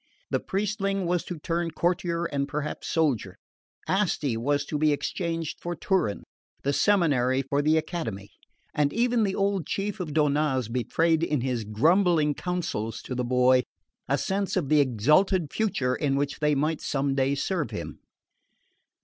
The priestling was to turn courtier and perhaps soldier; Asti was to be exchanged for Turin, the seminary for the academy; and even the old chief of Donnaz betrayed in his grumbling counsels to the boy a sense of the exalted future in which they might some day serve him.